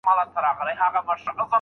که خپل ارزښت وپېژنې، بريالی به سې.